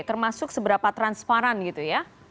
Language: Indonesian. termasuk seberapa transparan gitu ya